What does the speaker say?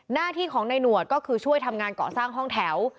หน้าที่ของในหนวดก็คือช่วยทำงานเกาะสร้างห้องแถว